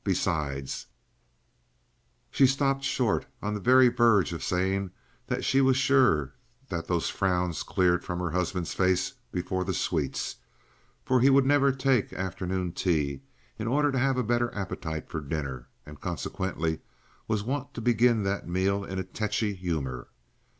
"Besides " She stopped short, on the very verge of saying that she was sure that those frowns cleared from her husband's face before the sweets, for he would never take afternoon tea, in order to have a better appetite for dinner, and consequently was wont to begin that meal in a tetchy humour.